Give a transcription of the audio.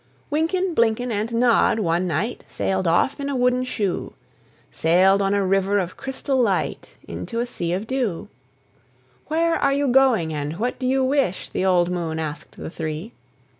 Wynken, Blynken, and Nod one night Sailed off in a wooden shoe, Sailed on a river of crystal light Into a sea of dew. "Where are you going, and what do you wish?" The old moon asked the three.